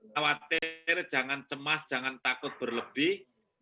khawatir jangan cemas jangan takut berlebih